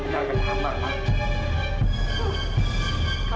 jangan khawatir mama